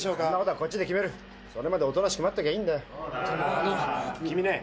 こっちで決めるおとなしく待っときゃいいんだ君ね